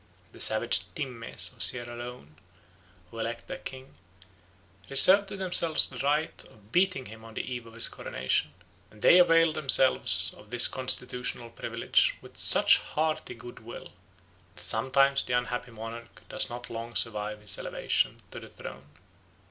The savage Timmes of Sierra Leone, who elect their king, reserve to themselves the right of beating him on the eve of his coronation; and they avail themselves of this constitutional privilege with such hearty goodwill that sometimes the unhappy monarch does not long survive his elevation to the throne.